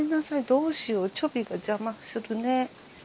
どうしようチョビが邪魔するね。